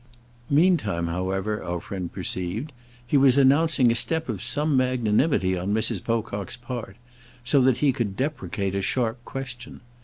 Meantime, however, our friend perceived, he was announcing a step of some magnanimity on Mrs. Pocock's part, so that he could deprecate a sharp question.